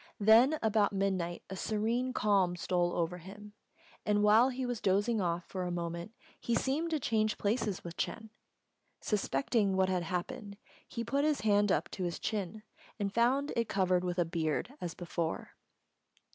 Then about midnight a serene calm stole over him; and while he was dozing off for a moment, he seemed to change places with Ch'êng. Suspecting what had happened, he put his hand up to his chin, and found it covered with a beard as before.